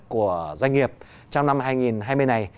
của doanh nghiệp trong năm hai nghìn hai mươi này